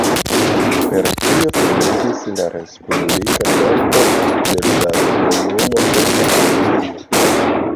Per tio finiĝis la respublika tempo de la "Komunumo de Anglio".